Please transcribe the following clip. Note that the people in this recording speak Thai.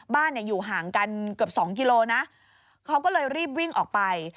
บ้านเนี่ยอยู่ห่างกันเกือบสองกิโลนะเขาก็เลยรีบวิ่งออกไป